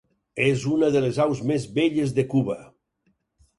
És una de les aus més belles de Cuba.